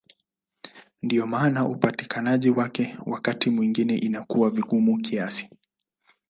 Ndiyo maana upatikanaji wake wakati mwingine inakuwa vigumu kiasi.